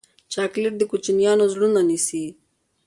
چاکلېټ د کوچنیانو زړونه نیسي.